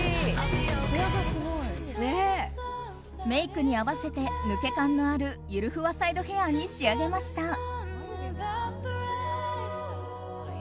メイクに合わせて抜け感のあるゆるふわサイドヘアに仕上げました。